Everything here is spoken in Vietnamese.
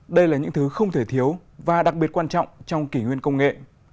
đây là những thứ không thể thiếu và đặc biệt quan trọng trong kỷ nguyên công nghệ